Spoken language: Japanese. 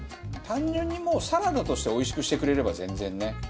単純にもうサラダとしておいしくしてくれれば全然ね。